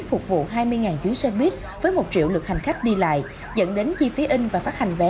phục vụ hai mươi chuyến xe buýt với một triệu lượt hành khách đi lại dẫn đến chi phí in và phát hành vé